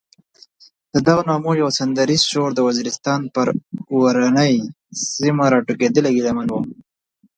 ددغو نغمو یو سندریز شور د وزیرستان پر اورنۍ سیمه راټوکېدلی ګیله من و.